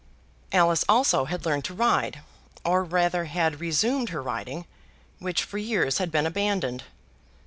Alice also had learned to ride, or rather had resumed her riding, which for years had been abandoned.